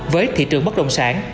với thị trường bất đồng sản